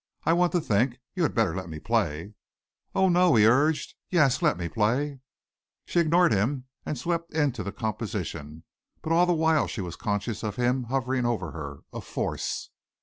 "I want to think. You had better let me play." "Oh, no," he urged. "Yes, let me play." She ignored him and swept into the composition, but all the while she was conscious of him hovering over her a force.